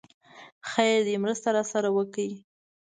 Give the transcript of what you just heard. خير دی! مرسته راسره وکړئ!